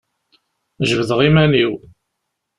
Jebdeɣ iman-iw.